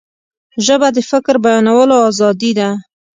ژبه د فکر بیانولو آزادي ده